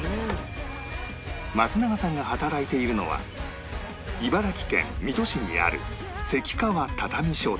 松永さんが働いているのは茨城県水戸市にある関川畳商店